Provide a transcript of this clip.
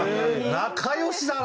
仲良しだな！